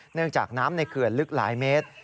เนื่องจากน้ำในเขื่อนลึกหลายเมตร